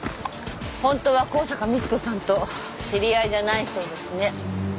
ホントは香坂光子さんと知り合いじゃないそうですね。